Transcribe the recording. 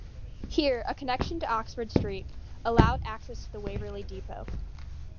Here, a connection to Oxford Street allowed access to the Waverley Depot.